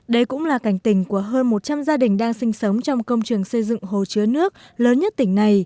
đây cũng là cảnh tỉnh của hơn một trăm linh gia đình đang sinh sống trong công trường xây dựng hồ chứa nước lớn nhất tỉnh này